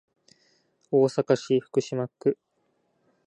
大阪市福島区